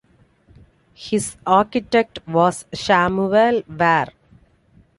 His architect was Samuel Ware.